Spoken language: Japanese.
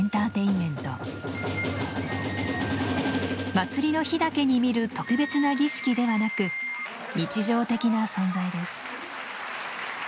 祭りの日だけに見る特別な儀式ではなく日常的な存在です。